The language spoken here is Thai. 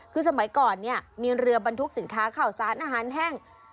คือสมัยก่อนเนี่ยมีเรือบรรทุกสินค้าข่าวสารอาหารแห้ง